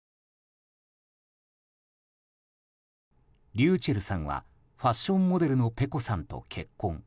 ｒｙｕｃｈｅｌｌさんはファッションモデルのｐｅｃｏさんと結婚。